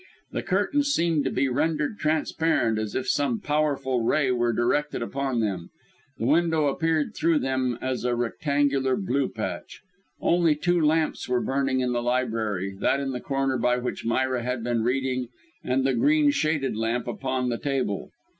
The curtains seemed to be rendered transparent, as if some powerful ray were directed upon them; the window appeared through them as a rectangular blue patch. Only two lamps were burning in the library, that in the corner by which Myra had been reading, and the green shaded lamp upon the table.